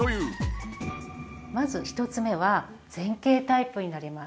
まず１つ目は前傾タイプになります。